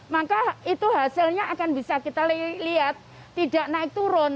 maka itu hasilnya akan bisa kita lihat tidak naik turun